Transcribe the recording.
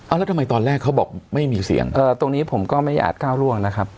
แล้วทำไมตอนแรกเขาบอกไม่มีเสียงเอ่อตรงนี้ผมก็ไม่อาจก้าวร่วงนะครับ